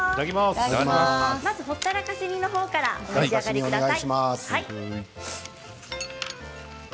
まずはほったらかし煮の方から召し上がりください。